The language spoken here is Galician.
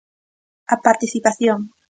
A participación.